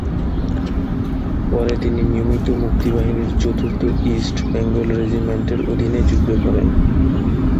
পরে তিনি নিয়মিত মুক্তিবাহিনীর চতুর্থ ইস্ট বেঙ্গল রেজিমেন্টের অধীনে যুদ্ধ করেন।